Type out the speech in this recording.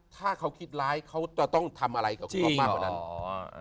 ถ้าเขาคิดร้ายเขาจะต้องทำอะไรกับเขามากกว่านั้นอ๋อ